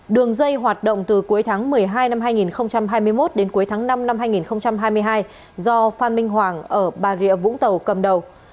đường dây hoạt động từ cuối tháng một mươi hai năm hai nghìn hai mươi một đến cuối tháng năm năm hai nghìn hai mươi hai do phan minh hoàng ở bà rịa vũng tàu cầm đầu